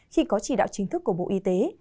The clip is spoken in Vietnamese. khi có chỉ đạo chính thức của bộ y tế